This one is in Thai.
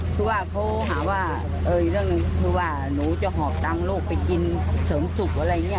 คือว่าเขาหาว่าโรงหน้ากินเสริมสรุปอะไรเนี่ย